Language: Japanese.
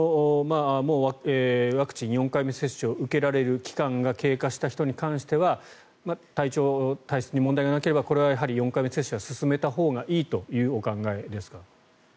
ワクチン４回目接種を受けられる期間が経過した人に関しては体調、体質に問題がなければこれはやはり４回目接種は進めたほうがいいというお考えですか？